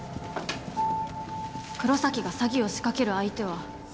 黒崎が詐欺を仕掛ける相手は